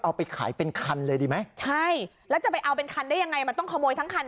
เอาไปขายเป็นคันเลยดีไหมใช่แล้วจะไปเอาเป็นคันได้ยังไงมันต้องขโมยทั้งคัน